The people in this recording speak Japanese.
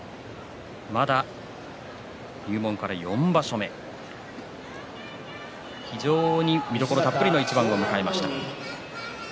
まだ入門から４場所目非常に見どころたっぷりの一番を迎えました。